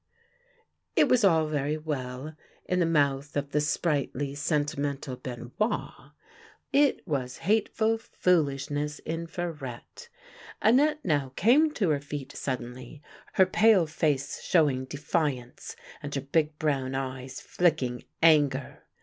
It was all very well in the mouth of the sprightly, sentimental Benoit ; it was hateful foolishness in Farette. Annette now came to her feet suddenly, her pale face showing defiance, and her big brown eyes flicking anger.